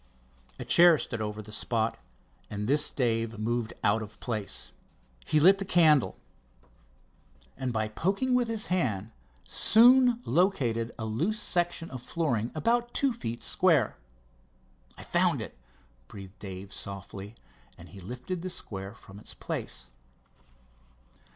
A chair stood over the spot, and this Dave moved out of place. He lit the candle, and by poking with his hand soon located a loose section of the flooring about two feet square. "I've found it," breathed Dave softly, and he lifted the square from its place.